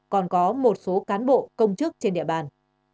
còn có một số cán bộ công chức trên địa bàn